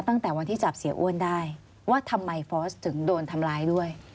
ตั้งแต่วันที่จับเสียอ้วนได้ว่าทำไมฟอร์สถึงโดนทำร้ายด้วย